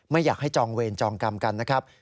ไม่อยากให้จองเวรจองกรรมกันนะครับ